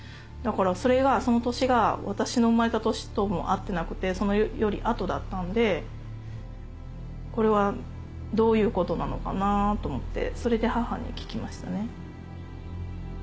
それがその年が私の生まれた年とも合ってなくてそれより後だったんでこれはどういうことなのかなと思ってそれで母に聞きましたね。